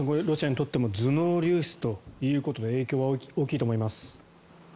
ロシアにとっても頭脳流出ということで影響は大きいと思います。